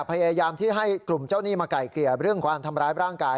พยายามที่ให้กลุ่มเจ้าหนี้มาไก่เกลี่ยเรื่องการทำร้ายร่างกาย